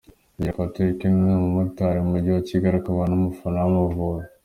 Rugira Patrick, ni umumotari mu Mujyi wa Kigali akaba n’umufana w’Amavubi.